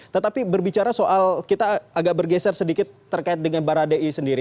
tetapi berbicara soal kita agak bergeser sedikit terkait dengan baradei sendiri